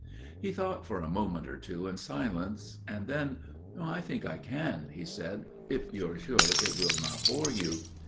He thought for a moment or two in silence; and then–––– "I think I can," he said, "if you are sure it will not bore you."